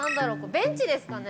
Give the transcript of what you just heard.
ベンチですかね。